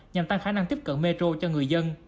nhằm tăng khả năng tiếp cận metro cho người dân